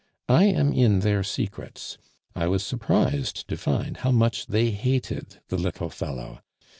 I am in their secrets; I was surprised to find how much they hated the little fellow.